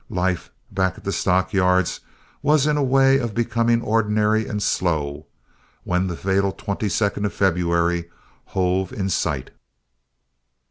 Life back of the stock yards was in a way of becoming ordinary and slow, when the fatal twenty second of February hove in sight.